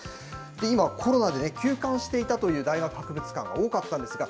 今、コロナで休館していたという大学博物館が多かったんですが、